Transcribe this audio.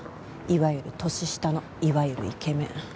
いわゆる年下のいわゆるイケメン。